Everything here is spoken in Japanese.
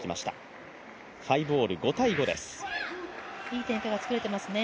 いい展開が作れてますね。